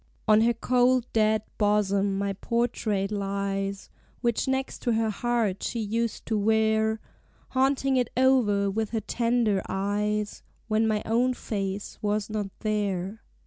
"On her cold dead bosom my portrait lies, Which next to her heart she used to wear Haunting it o'er with her tender eyes When my own face was not there.